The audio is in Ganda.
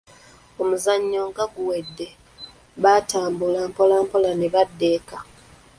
Omuzannyo nga guwedde, baatambula mpolamola ne badda eka.